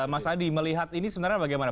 mas adi melihat ini sebenarnya bagaimana